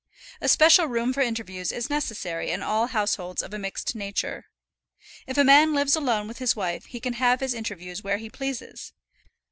A special room for interviews is necessary in all households of a mixed nature. If a man lives alone with his wife, he can have his interviews where he pleases.